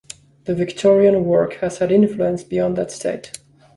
The Victorian work has had influence beyond that State.